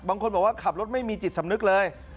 บางคนบอกว่าขับรถไม่มีจิตสำนึกเลย